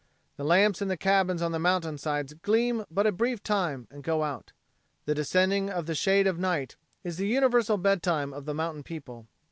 The lamps in the cabins on the mountainsides gleam but a brief time and go out. The descending of the shade of night is the universal bedtime of the mountain people.